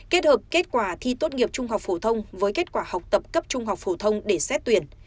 kết hợp kết quả thi tốt nghiệp trung học phổ thông với kết quả học tập cấp trung học phổ thông để xét tuyển